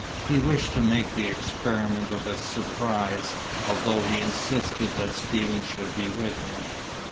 He wished to make the experiment of a surprise, although he insisted that Stephen should be with him.